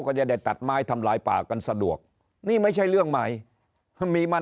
ก็จะได้ตัดไม้ทำลายป่ากันสะดวกนี่ไม่ใช่เรื่องใหม่มีมัน